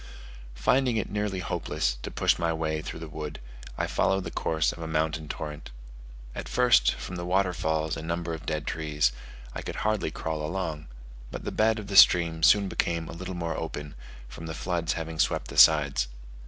Finding it nearly hopeless to push my way through the wood, I followed the course of a mountain torrent. At first, from the waterfalls and number of dead trees, I could hardly crawl along; but the bed of the stream soon became a little more open, from the floods having swept the sides.